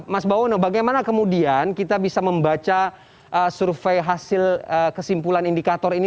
mas bawono bagaimana kemudian kita bisa membaca survei hasil kesimpulan indikator ini